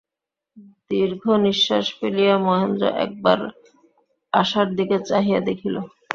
দীর্ঘনিশ্বাস ফেলিয়া মহেন্দ্র একবার আশার দিকে চাহিয়া দেখিল।